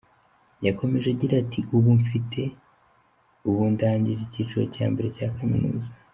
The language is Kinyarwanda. Yakomeje agira ati “ubu mfite ubu ndangije ikiciro cya mbere cya kaminuza.